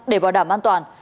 để bảo đảm an toàn